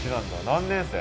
何年生？